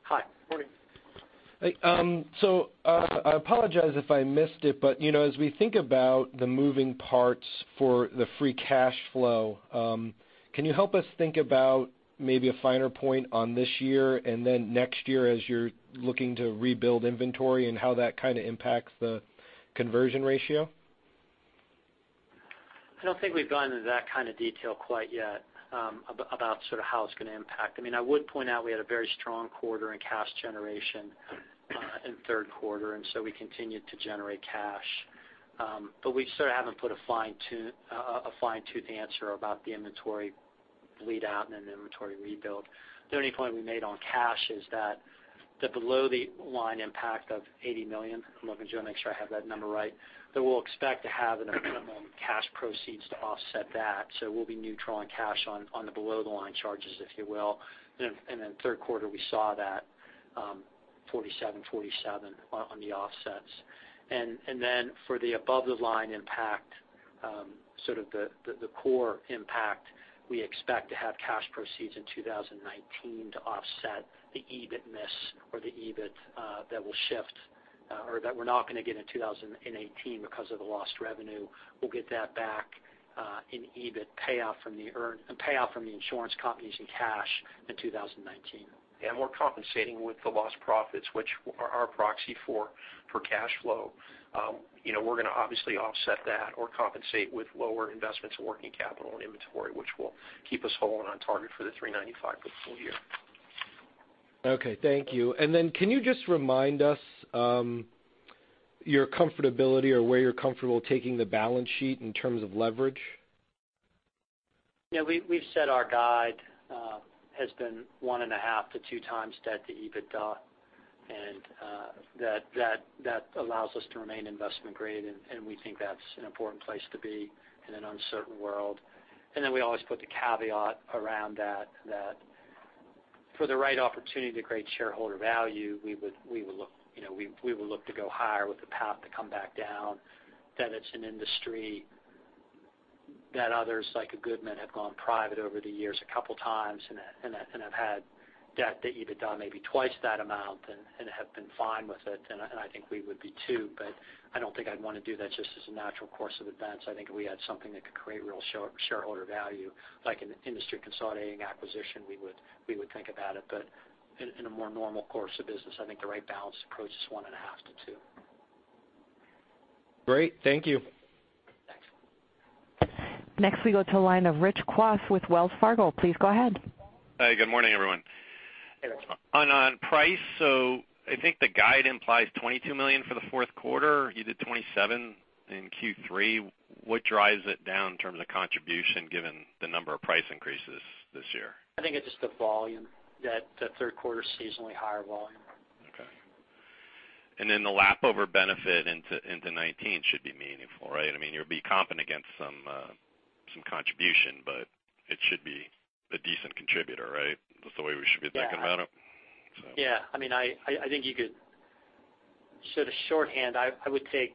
Hi. Morning. I apologize if I missed it, as we think about the moving parts for the free cash flow, can you help us think about maybe a finer point on this year and then next year as you're looking to rebuild inventory and how that kind of impacts the conversion ratio? I don't think we've gone into that kind of detail quite yet about how it's going to impact. I would point out we had a very strong quarter in cash generation in third quarter. We continued to generate cash. We still haven't put a fine-tooth answer about the inventory bleed out and then the inventory rebuild. The only point we made on cash is that the below the line impact of $80 million, I'm looking to make sure I have that number right, that we'll expect to have enough minimum cash proceeds to offset that. We'll be neutral on cash on the below the line charges, if you will. Third quarter, we saw that 47/47 on the offsets. For the above the line impact, the core impact, we expect to have cash proceeds in 2019 to offset the EBIT miss or the EBIT that will shift or that we're not going to get in 2018 because of the lost revenue. We'll get that back in EBIT payoff from the insurance companies in cash in 2019. We're compensating with the lost profits, which are our proxy for cash flow. We're going to obviously offset that or compensate with lower investments in working capital and inventory, which will keep us holding on target for the $395 for the full year. Okay, thank you. Can you just remind us your comfortability or where you're comfortable taking the balance sheet in terms of leverage? Yeah, we've said our guide has been 1.5 to 2 times debt to EBITDA. That allows us to remain investment grade, and we think that's an important place to be in an uncertain world. Then we always put the caveat around that for the right opportunity to create shareholder value, we will look to go higher with the path to come back down, that it's an industry that others like a Goodman have gone private over the years a couple times and have had debt to EBITDA maybe 2 times that amount and have been fine with it. I think we would be, too, but I don't think I'd want to do that just as a natural course of events. I think if we had something that could create real shareholder value, like an industry consolidating acquisition, we would think about it. In a more normal course of business, I think the right balance approach is 1.5 to 2. Great. Thank you. Thanks. Next, we go to the line of Rich Kwas with Wells Fargo. Please go ahead. Hi, good morning, everyone. Hey, Rich. On price, I think the guide implies $22 million for the fourth quarter. You did $27 million in Q3. What drives it down in terms of contribution given the number of price increases this year? I think it's just the volume, that third quarter seasonally higher volume. Okay. Then the lap over benefit into 2019 should be meaningful, right? You'll be comping against some contribution, but it should be a decent contributor, right? That's the way we should be thinking about it? Yeah. I think you could sort of shorthand, I would take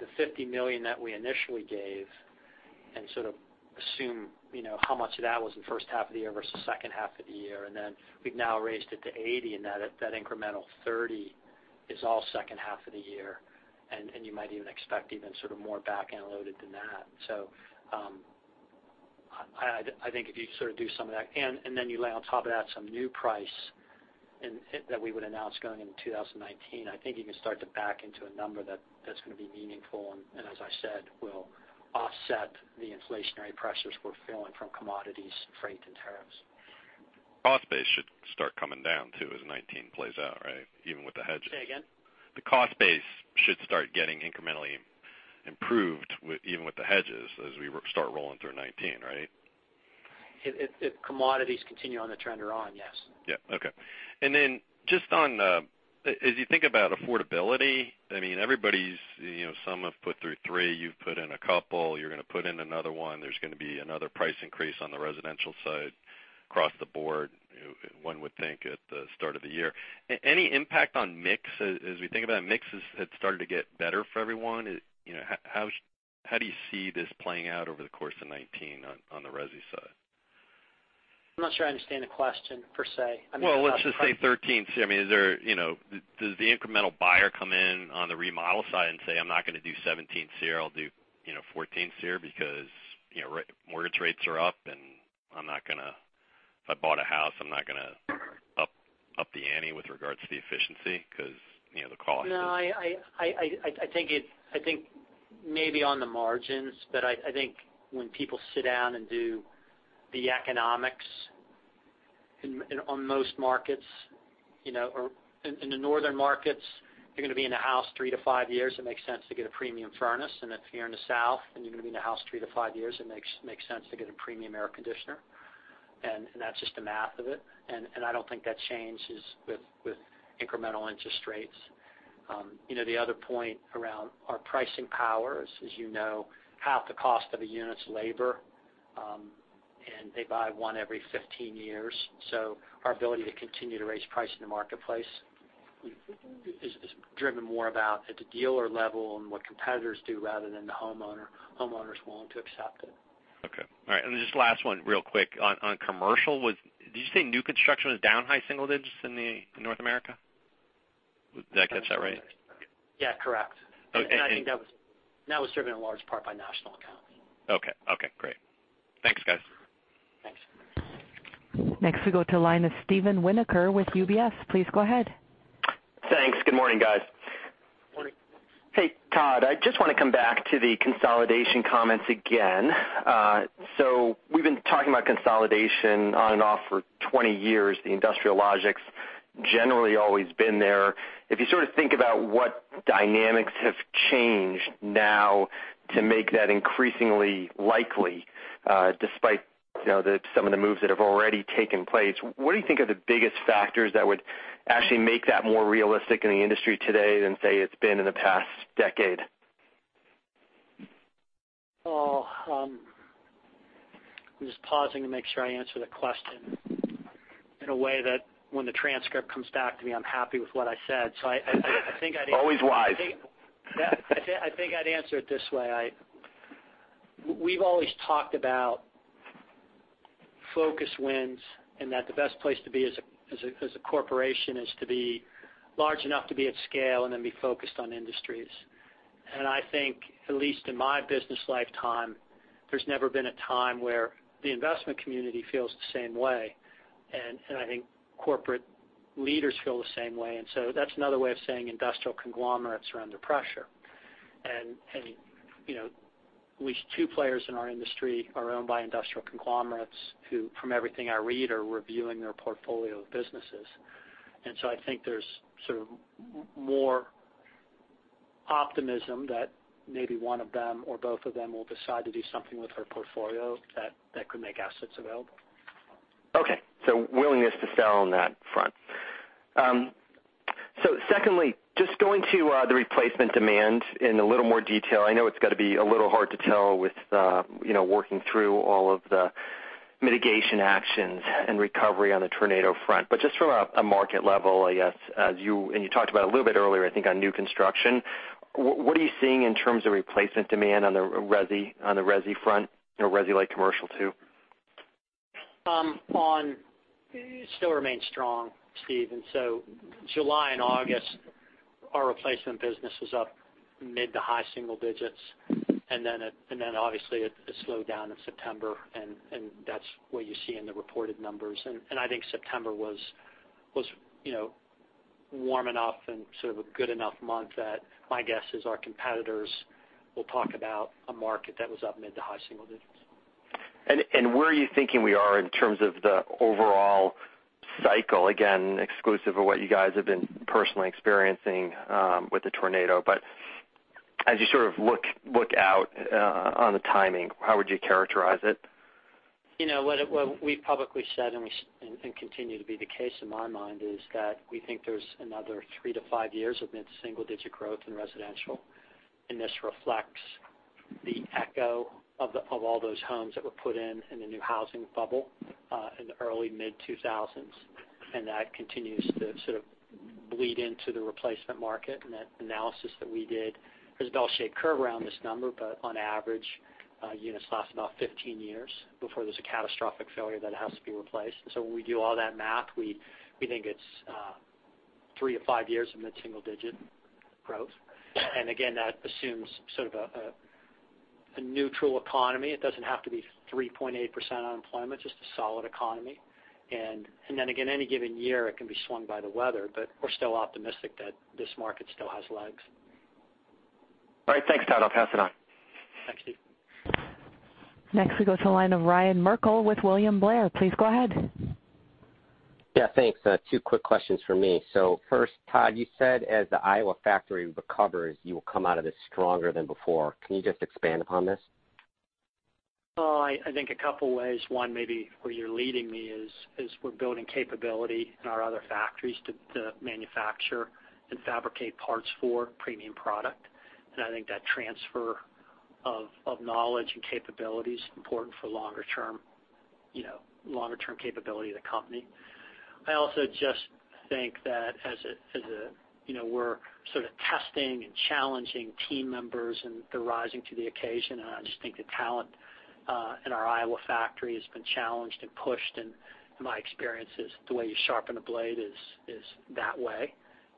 the $50 million that we initially gave and sort of assume how much of that was in the first half of the year versus second half of the year. Then we've now raised it to $80 million, and that incremental $30 million is all second half of the year. You might even expect even sort of more back-end loaded than that. I think if you do some of that and then you lay on top of that some new price that we would announce going into 2019, I think you can start to back into a number that's going to be meaningful and, as I said, will offset the inflationary pressures we're feeling from commodities, freight, and tariffs. Cost base should start coming down, too, as 2019 plays out, right? Even with the hedges. Say again? The cost base should start getting incrementally improved even with the hedges as we start rolling through 2019, right? If commodities continue on the trend they're on, yes. Yeah. Okay. Then just on as you think about affordability, some have put through three, you've put in a couple, you're going to put in another one. There's going to be another price increase on the residential side across the board, one would think at the start of the year. Any impact on mix? As we think about mix, it's started to get better for everyone. How do you see this playing out over the course of 2019 on the resi side? I'm not sure I understand the question per se. Well, let's just say 13 SEER. Does the incremental buyer come in on the remodel side and say, "I'm not going to do 17 SEER, I'll do 14 SEER because mortgage rates are up and if I bought a house, I'm not going to up the ante with regards to the efficiency because the cost is. No, I think maybe on the margins. I think when people sit down and do the economics on most markets or in the northern markets, you're going to be in a house three to five years, it makes sense to get a premium furnace. If you're in the South and you're going to be in a house three to five years, it makes sense to get a premium air conditioner. That's just the math of it. I don't think that changes with incremental interest rates. The other point around our pricing powers, as you know, half the cost of a unit is labor, and they buy one every 15 years. Our ability to continue to raise price in the marketplace is driven more about at the dealer level and what competitors do rather than the homeowner. Homeowners willing to accept it. Okay. All right. Just last one real quick. On commercial, did you say new construction was down high single digits in North America? Did I get that right? Yeah, correct. Okay. I think that was driven in large part by national account. Okay, great. Thanks, guys. Thanks. Next we go to the line of Steve Winoker with UBS. Please go ahead. Thanks. Good morning, guys. Morning. Hey, Todd. I just want to come back to the consolidation comments again. We've been talking about consolidation on and off for 20 years. The industrial logic generally always been there. If you sort of think about what dynamics have changed now to make that increasingly likely, despite some of the moves that have already taken place, what do you think are the biggest factors that would actually make that more realistic in the industry today than, say, it's been in the past decade? I'm just pausing to make sure I answer the question in a way that when the transcript comes back to me, I'm happy with what I said. Always wise. I think I'd answer it this way. We've always talked about focus wins and that the best place to be as a corporation is to be large enough to be at scale and then be focused on industries. I think, at least in my business lifetime, there's never been a time where the investment community feels the same way. I think corporate leaders feel the same way. That's another way of saying industrial conglomerates are under pressure. At least two players in our industry are owned by industrial conglomerates, who, from everything I read, are reviewing their portfolio of businesses. I think there's sort of more optimism that maybe one of them or both of them will decide to do something with their portfolio that could make assets available. Willingness to sell on that front. Secondly, just going to the replacement demand in a little more detail. I know it's got to be a little hard to tell with working through all of the mitigation actions and recovery on the tornado front. Just from a market level, I guess, and you talked about a little bit earlier, I think, on new construction. What are you seeing in terms of replacement demand on the resi front, resi light commercial, too? It still remains strong, Steve. July and August, our replacement business was up mid to high single digits. Obviously it slowed down in September and that's what you see in the reported numbers. I think September was warm enough and sort of a good enough month that my guess is our competitors will talk about a market that was up mid to high single digits. Where are you thinking we are in terms of the overall cycle, again, exclusive of what you guys have been personally experiencing with the tornado. As you sort of look out on the timing, how would you characterize it? What we've publicly said and continue to be the case in my mind is that we think there's another three to five years of mid-single-digit growth in residential, this reflects the echo of all those homes that were put in the new housing bubble in the early mid-2000s. That continues to sort of bleed into the replacement market. That analysis that we did, there's a bell-shaped curve around this number, but on average, units last about 15 years before there's a catastrophic failure that it has to be replaced. When we do all that math, we think it's three to five years of mid-single-digit growth. Again, that assumes sort of a neutral economy. It doesn't have to be 3.8% unemployment, just a solid economy. again, any given year, it can be swung by the weather, but we're still optimistic that this market still has legs. All right, thanks, Todd. I'll pass it on. Thanks, Steve. We go to the line of Ryan Merkel with William Blair. Please go ahead. Yeah, thanks. Two quick questions from me. First, Todd, you said as the Iowa factory recovers, you will come out of this stronger than before. Can you just expand upon this? I think a couple ways. One, maybe where you're leading me is we're building capability in our other factories to manufacture and fabricate parts for premium product. I think that transfer of knowledge and capability is important for longer term capability of the company. I also just think that as we're sort of testing and challenging team members and they're rising to the occasion, and I just think the talent in our Iowa factory has been challenged and pushed, and my experience is the way you sharpen a blade is that way.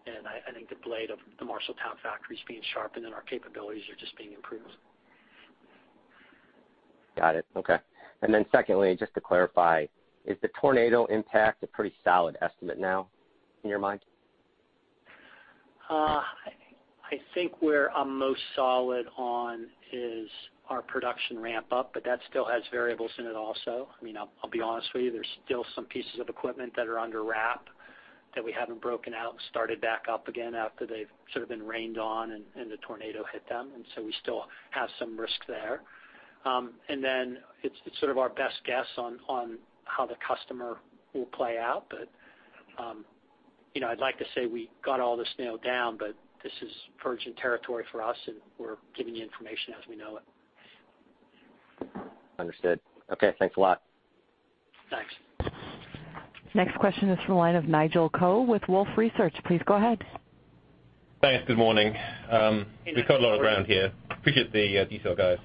I think the blade of the Marshalltown factory is being sharpened and our capabilities are just being improved. Got it. Okay. Secondly, just to clarify, is the tornado impact a pretty solid estimate now in your mind? I think where I'm most solid on is our production ramp up, but that still has variables in it also. I'll be honest with you, there's still some pieces of equipment that are under wrap that we haven't broken out and started back up again after they've sort of been rained on and the tornado hit them. We still have some risk there. It's sort of our best guess on how the customer will play out. I'd like to say we got all the snow down, but this is virgin territory for us, and we're giving you information as we know it. Understood. Okay, thanks a lot. Thanks. Next question is from the line of Nigel Coe with Wolfe Research. Please go ahead. Thanks. Good morning. We've got a lot of ground here. Appreciate the detail, guys.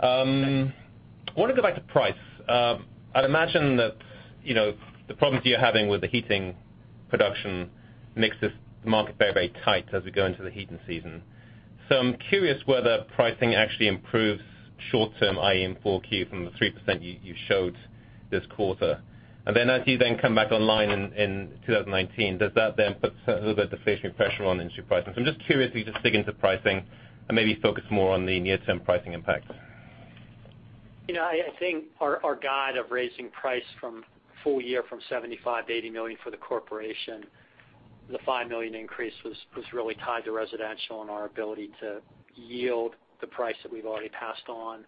I want to go back to price. I'd imagine that the problems you're having with the heating production makes this market very tight as we go into the heating season. I'm curious whether pricing actually improves short term, i.e., in 4Q from the 3% you showed this quarter. As you then come back online in 2019, does that then put a little bit of deflationary pressure on industry pricing? I'm just curious if you could just dig into pricing and maybe focus more on the near-term pricing impact. I think our guide of raising price from full year from $75 million to $80 million for the corporation, the $5 million increase was really tied to residential and our ability to yield the price that we've already passed on.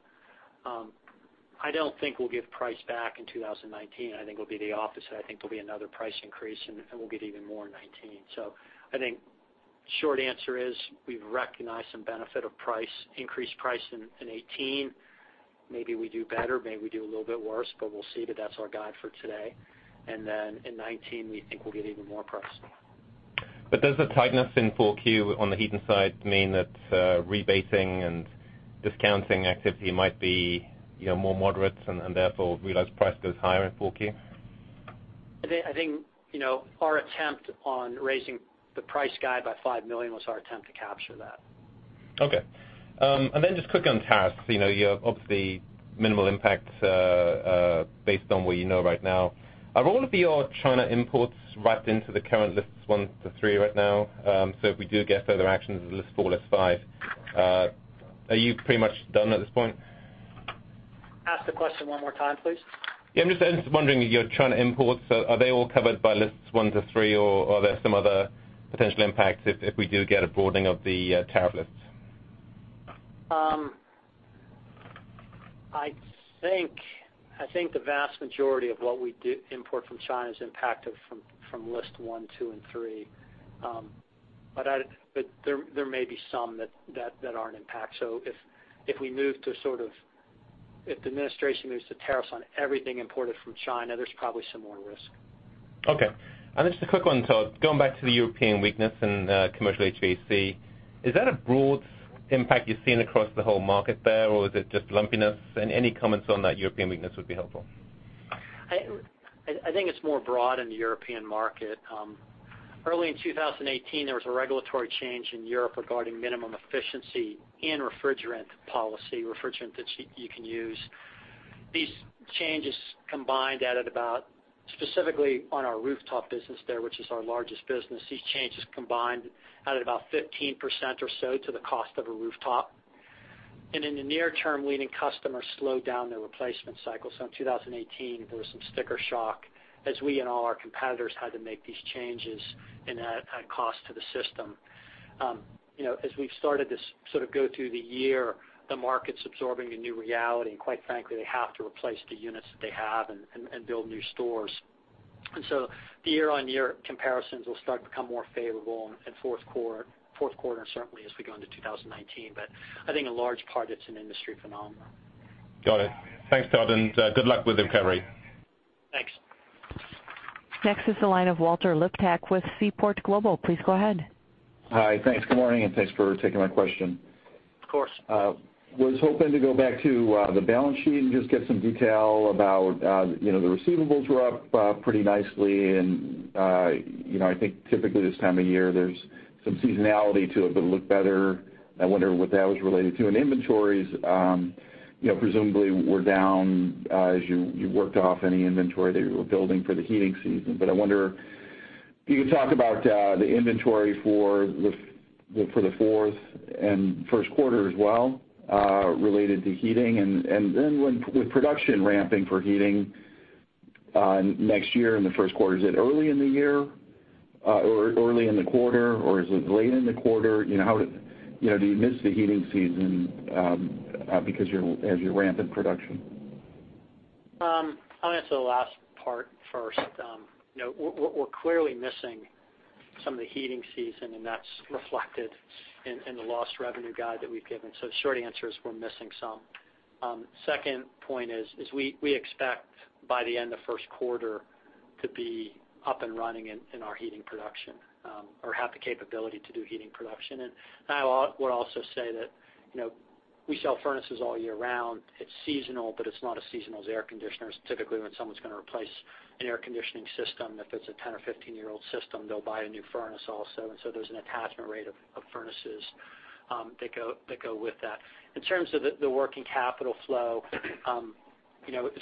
I don't think we'll give price back in 2019. I think it'll be the opposite. I think there'll be another price increase, and we'll get even more in 2019. I think short answer is we've recognized some benefit of increased price in 2018. Maybe we do better, maybe we do a little bit worse, but we'll see. That's our guide for today. In 2019, we think we'll get even price. Does the tightness in 4Q on the heating side mean that rebating and discounting activity might be more moderate and therefore realized price goes higher in 4Q? I think our attempt on raising the price guide by $5 million was our attempt to capture that. Okay. Just quick on tariffs. You have obviously minimal impact based on what you know right now. Are all of your China imports wrapped into the current lists 1 to 3 right now? If we do get further actions of list 4, list 5, are you pretty much done at this point? Ask the question one more time, please. I'm just wondering, your China imports, are they all covered by lists one to three, or are there some other potential impacts if we do get a broadening of the tariff lists? I think the vast majority of what we do import from China is impacted from list one, two, and three. There may be some that aren't impacted. If the administration moves to tariffs on everything imported from China, there's probably some more risk. Okay. Just a quick one, Todd. Going back to the European weakness in commercial HVAC. Is that a broad impact you're seeing across the whole market there, or is it just lumpiness? Any comments on that European weakness would be helpful. I think it's more broad in the European market. Early in 2018, there was a regulatory change in Europe regarding minimum efficiency in refrigerant policy, refrigerant that you can use. These changes combined added about, specifically on our rooftop business there, which is our largest business. These changes combined added about 15% or so to the cost of a rooftop. In the near term, leading customers slowed down their replacement cycle. In 2018, there was some sticker shock as we and all our competitors had to make these changes and add cost to the system. As we've started to sort of go through the year, the market's absorbing a new reality, and quite frankly, they have to replace the units that they have and build new stores. The year-on-year comparisons will start to become more favorable in fourth quarter, and certainly as we go into 2019. I think in large part, it's an industry phenomenon. Got it. Thanks, Todd, and good luck with recovery. Thanks. Next is the line of Walter Liptak with Seaport Global. Please go ahead. Hi. Thanks. Good morning, and thanks for taking my question. Of course. Was hoping to go back to the balance sheet and just get some detail about the receivables were up pretty nicely, and I think typically this time of year, there's some seasonality to it, but it looked better. I wonder what that was related to. Inventories presumably were down as you worked off any inventory that you were building for the heating season. I wonder if you could talk about the inventory for the fourth and first quarter as well related to heating. With production ramping for heating next year in the first quarter, is it early in the year or early in the quarter, or is it late in the quarter? Do you miss the heating season as you ramp in production? I'll answer the last part first. We're clearly missing some of the heating season, and that's reflected in the lost revenue guide that we've given. The short answer is we're missing some. Second point is we expect by the end of first quarter to be up and running in our heating production or have the capability to do heating production. I would also say that we sell furnaces all year round. It's seasonal, but it's not as seasonal as air conditioners. Typically, when someone's going to replace an air conditioning system, if it's a 10- or 15-year-old system, they'll buy a new furnace also. There's an attachment rate of furnaces that go with that. In terms of the working capital flow, it's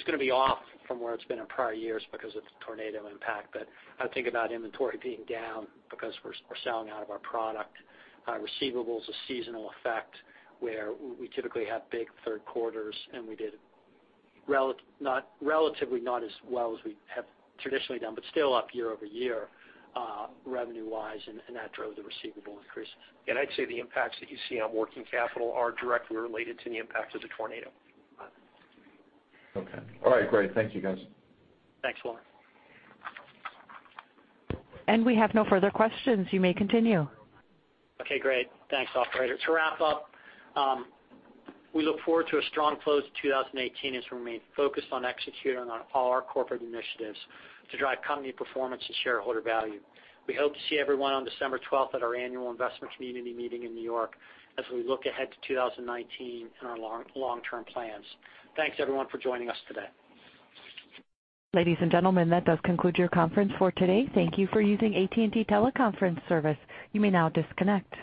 going to be off from where it's been in prior years because of the tornado impact. I would think about inventory being down because we're selling out of our product. Receivables, a seasonal effect where we typically have big third quarters, and we did relatively not as well as we have traditionally done, but still up year-over-year revenue-wise, and that drove the receivable increases. I'd say the impacts that you see on working capital are directly related to the impacts of the tornado. Okay. All right. Great. Thank you, guys. Thanks, Walter. We have no further questions. You may continue. Okay, great. Thanks, operator. To wrap up, we look forward to a strong close to 2018 as we remain focused on executing on all our corporate initiatives to drive company performance and shareholder value. We hope to see everyone on December 12th at our annual investment community meeting in New York as we look ahead to 2019 and our long-term plans. Thanks, everyone, for joining us today. Ladies and gentlemen, that does conclude your conference for today. Thank you for using AT&T Teleconference service. You may now disconnect.